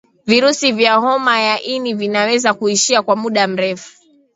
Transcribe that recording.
virusi vya homa ya ini vinaweza kuishi kwa muda mrefu